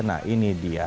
nah ini dia